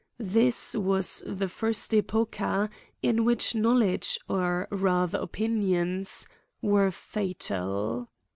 This was the first epocha, in which knowledge, or rather opinions, were fatal.